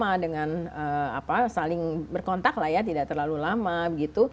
tidak kontak terlalu lama dengan apa saling berkontak lah ya tidak terlalu lama gitu